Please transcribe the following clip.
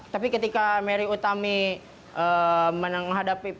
tapi ketika mary utami menghadapi